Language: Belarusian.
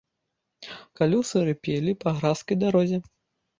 Калёсы рыпелі па гразкай дарозе.